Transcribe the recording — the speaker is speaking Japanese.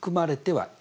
はい。